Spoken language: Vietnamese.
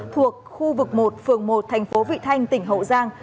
thuộc khu vực một phường một thành phố vị thanh tỉnh hậu giang